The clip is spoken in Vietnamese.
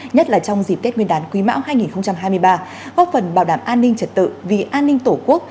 nhất là trong dịp tết nguyên đán quý mão hai nghìn hai mươi ba góp phần bảo đảm an ninh trật tự vì an ninh tổ quốc